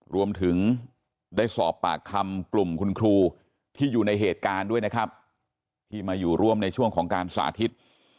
รวมถึงได้สอบปากคำกลุ่มคุณครูที่อยู่ในเหตุการณ์ด้วยนะครับที่มาอยู่ร่วมในช่วงของการสาธิต